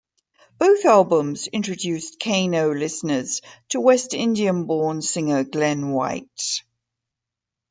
Both albums introduced Kano listeners to West Indian-born singer Glen White.